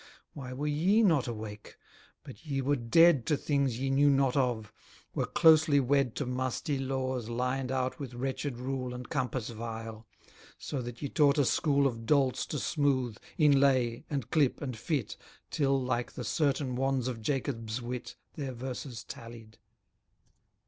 Why were ye not awake? But ye were dead To things ye knew not of, were closely wed To musty laws lined out with wretched rule And compass vile: so that ye taught a school Of dolts to smooth, inlay, and clip, and fit, Till, like the certain wands of Jacob's wit, Their verses tallied.